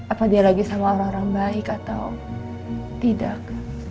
apa dia lagi sama orang orang baik atau tidak